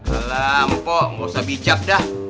alam kok gak usah bijak dah